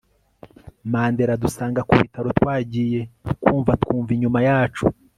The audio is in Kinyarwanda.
Mandela adusanga kubitaro twagiye kumva twumva inyuma yacu